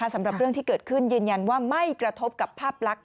สำหรับเรื่องที่เกิดขึ้นยืนยันว่าไม่กระทบกับภาพลักษณ์